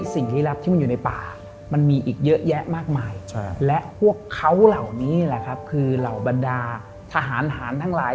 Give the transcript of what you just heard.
สิ่งฤียรับที่มันอยู่ในป่ามันมีอีกเยอะแยะมากมาย